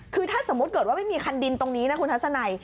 คือถ้าสมมุติเกิดว่าไม่มีคันดินตรงนี้นะคุณทัศนัย